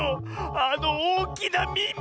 あのおおきなみみ！